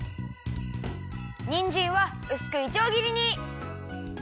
にんじんはうすくいちょうぎりに。